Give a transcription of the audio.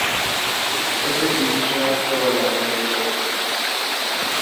এতে ব্রিটিশরা জয়লাভ করে।